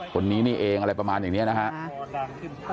คนนี้นี่เองอะไรประมาณอย่างนี้นะครับ